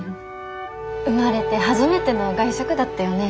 生まれて初めての外食だったよね。